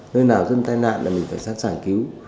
nơi nào dân tai nạn là mình phải sẵn sàng cứu